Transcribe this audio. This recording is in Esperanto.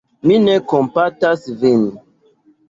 Mi ne kompatas vin.